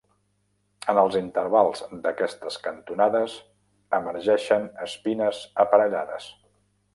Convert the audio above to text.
En els intervals d'aquestes cantonades emergeixen espines aparellades.